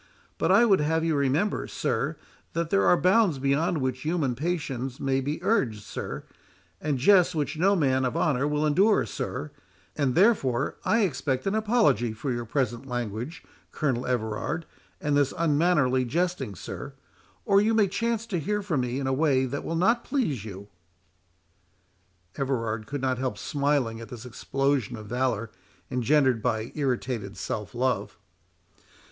But I would have you remember, sir, that there are bounds beyond which human patience may be urged, sir—and jests which no man of honour will endure, sir—and therefore I expect an apology for your present language, Colonel Everard, and this unmannerly jesting, sir—or you may chance to hear from me in a way that will not please you." Everard could not help smiling at this explosion of valour, engendered by irritated self love.